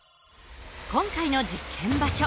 今回の実験場所